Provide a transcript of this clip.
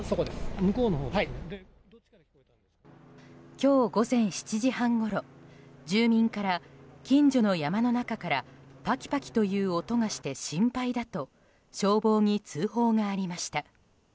今日午前７時半ごろ住民から近所の山の中からパキパキという音がして心配だと消防に通報がありました。